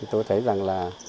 tôi thấy rằng